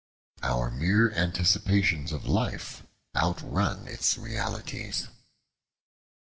Our mere anticipations of life outrun its realities.